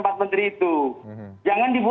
pak luhut bilang ada wfh